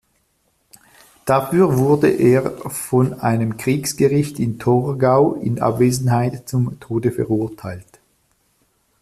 Dafür wurde er von einem Kriegsgericht in Torgau in Abwesenheit zum Tode verurteilt.